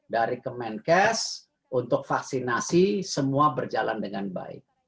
dari kemenkes untuk vaksinasi semua berjalan dengan baik